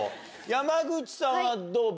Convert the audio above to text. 山口さんはどう？